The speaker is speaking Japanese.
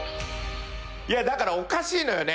だからおかしいのよね。